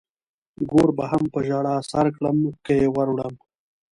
ګور به هم په ژړا سر کړم که يې ور وړم.